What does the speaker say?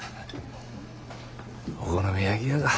お好み焼き屋か。